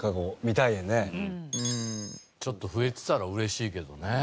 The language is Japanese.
ちょっと増えてたら嬉しいけどね。